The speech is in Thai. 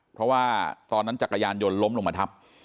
เพราะว่าตอนนั้นจักรยานยนต์ล้มลงมาทับ